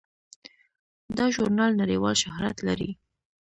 دا ژورنال نړیوال شهرت لري.